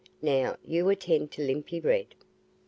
"Now, you attend to Limpy Red."